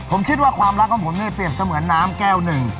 ผมคิดว่าความรักของผมเนี่ยเปรียบเสมือนน้ำแก้วหนึ่ง